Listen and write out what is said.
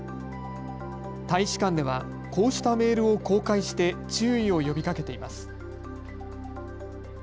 大使館ではこうしたメールを公開して注意を呼びかけています。